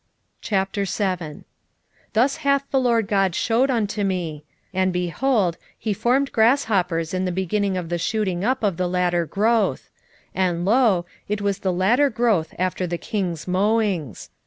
7:1 Thus hath the Lord GOD shewed unto me; and, behold, he formed grasshoppers in the beginning of the shooting up of the latter growth; and, lo, it was the latter growth after the king's mowings.